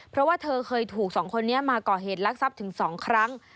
เพราะว่าเธอเคยถูกสองคนนี้มาก่อเหตุลักษัพถึง๒ครั้ง